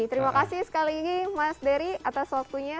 terima kasih sekali lagi mas dery atas waktunya